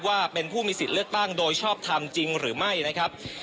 ว่าเป็นผู้มีสิทธิ์เลือกตั้งโดยชอบทำจริงหรือไม่นะครับ